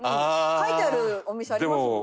書いてあるお店ありますもんね。